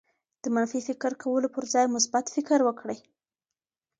د منفي فکر کولو پر ځای مثبت فکر وکړئ.